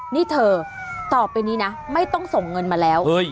นี่เธอต่อไปนี้นะไม่ต้องส่งเงินมาแล้ว